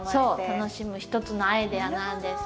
楽しむ一つのアイデアなんですけど。